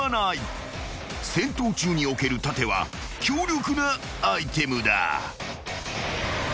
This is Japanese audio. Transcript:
［『戦闘中』における盾は強力なアイテムだ］